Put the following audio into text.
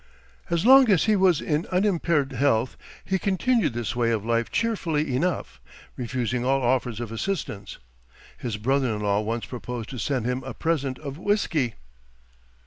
As long as he was in unimpaired health he continued this way of life cheerfully enough, refusing all offers of assistance. His brother in law once proposed to send him a present of whiskey.